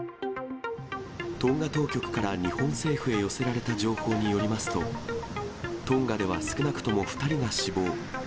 トンガ当局から日本政府へ寄せられた情報によりますと、トンガでは少なくとも２人が死亡。